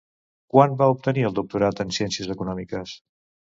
Quan va obtenir el Doctorat en Ciències Econòmiques?